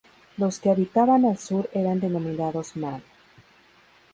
Los que habitaban al sur eran denominados Man.